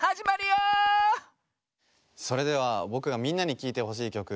それではぼくがみんなにきいてほしいきょく